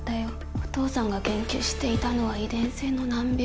お父さんが研究していたのは遺伝性の難病。